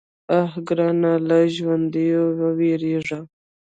_اه ګرانه! له ژونديو ووېرېږه.